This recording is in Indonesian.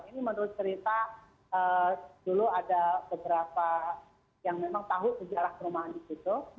ini menurut cerita dulu ada beberapa yang memang tahu sejarah perumahan di situ